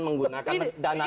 menggunakan dana negara